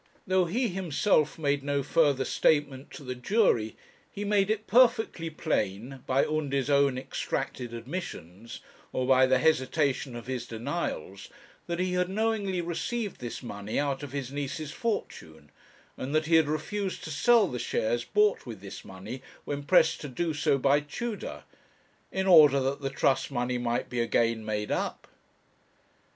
Though he himself made no further statement to the jury, he made it perfectly plain, by Undy's own extracted admissions, or by the hesitation of his denials, that he had knowingly received this money out of his niece's fortune, and that he had refused to sell the shares bought with this money, when pressed to do so by Tudor, in order that the trust money might be again made up.